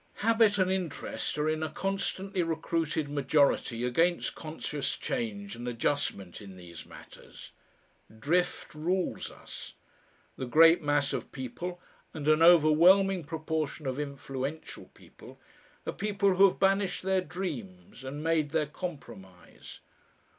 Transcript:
Habit and interest are in a constantly recruited majority against conscious change and adjustment in these matters. Drift rules us. The great mass of people, and an overwhelming proportion of influential people, are people who have banished their dreams and made their compromise.